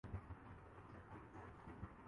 دوسری طرف ڈھلوان